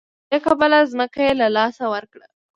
له همدې کبله ځمکه یې له لاسه ورکړه.